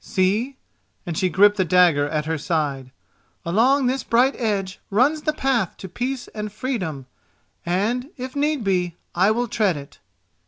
See," and she gripped the dagger at her side: "along this bright edge runs the path to peace and freedom, and, if need be, I will tread it."